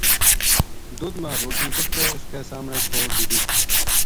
دودھ ما روٹی کُٹ کے اس کے سامنے چھوڈ دتّی